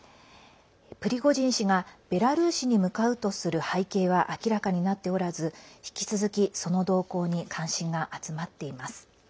プリゴジン氏がベラルーシに向かうとする背景は明らかになっておらず引き続き、その動向に関心が集まっています。